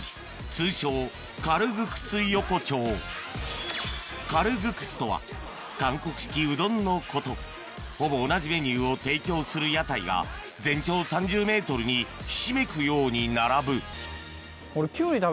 通称カルグクスとは韓国式うどんのことほぼ同じメニューを提供する屋台が全長３０ｍにひしめくように並ぶ俺。